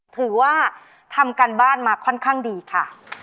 ถือว่าทำการบ้านมาค่อนข้างดีค่ะ